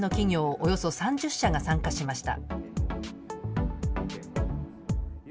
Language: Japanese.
およそ３０社が参加しました。